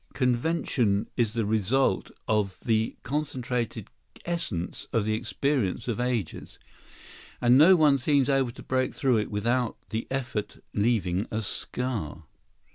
] And yet—convention is the result of the concentrated essence of the experience of ages; and no one seems able to break through it without the effort leaving a scar.